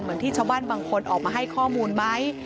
เหมือนที่ชาวบ้านบางคนออกมาให้ข้อมูลไหม